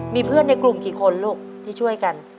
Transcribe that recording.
มีเพื่อนในกลุ่มกี่คนลูกที่ช่วยกัน